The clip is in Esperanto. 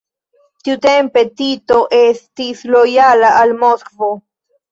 Tiutempe Tito estis lojala al Moskvo.